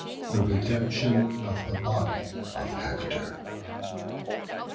THE REDEMPTION OF THE BODY OF HECTOR.